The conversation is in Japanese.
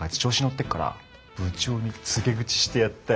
てっから部長に告げ口してやったよ。